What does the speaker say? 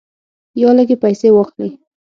یا لږې پیسې واخلې.